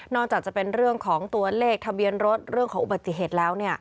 จากจะเป็นเรื่องของตัวเลขทะเบียนรถเรื่องของอุบัติเหตุแล้ว